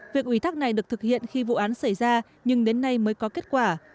việc ủy thắc này được thực hiện khi vụ án xảy ra nhưng đến nay mới có kết quả